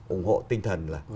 ủng hộ tinh thần là